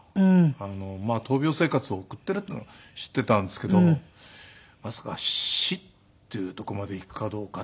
闘病生活を送っているっていうのは知っていたんですけどまさか死っていうとこまでいくかどうかっていうのはね。